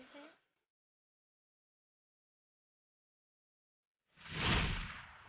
makasih belum liat